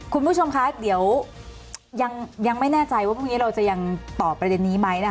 คุณผู้ชมคะเดี๋ยวยังไม่แน่ใจว่าพรุ่งนี้เราจะยังตอบประเด็นนี้ไหมนะคะ